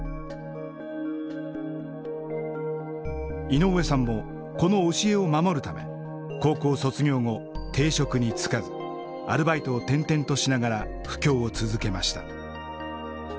井上さんもこの教えを守るため高校卒業後定職に就かずアルバイトを転々としながら布教を続けました。